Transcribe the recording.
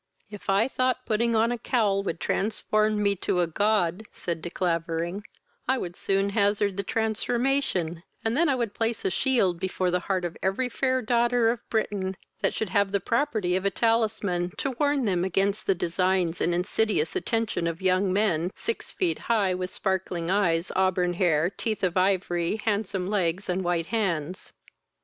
"If I thought putting on a cowl would transform me to a god, (said De Clavering,) I would soon hazard the transformation, and then I would place a shield before the heart of every fair daughter of Britain, that should have the property of a talisman, to warn them againsst the designs and insidious attention of young men, six feet high, with black sparkling eyes, auburn hair, teeth of ivory, handsome legs, and white hands."